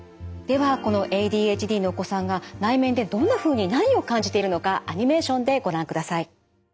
ではこのＡＤＨＤのお子さんが内面でどんなふうに何を感じているのかアニメーションでご覧ください。